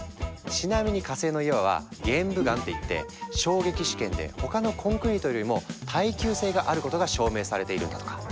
ちなみに火星の岩は「玄武岩」っていって衝撃試験で他のコンクリートよりも耐久性があることが証明されているんだとか。